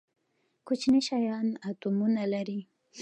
کوچني شیان اتومونه لري